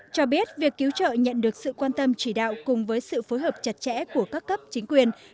cho biết việc cứu trợ nhận được sự quan tâm chỉ đạo cùng với sự phối hợp chặt chẽ của các cấp chính quyền